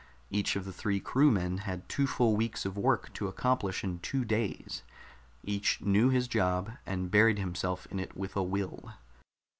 Each of the three crewmen had two full weeks of work to accomplish in two days; each knew his job and buried himself in it with a will.